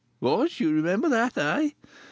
"What! you remember that, eh?"